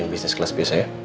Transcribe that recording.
yang bisnis kelas biasa ya